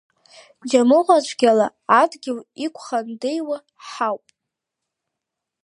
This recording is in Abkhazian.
Џьамыӷәацәгьала адгьыл иқәхандеиуа ҳауп…